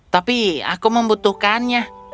tapi aku membutuhkannya